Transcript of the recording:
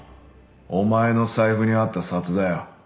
お前の財布にあった札だよ。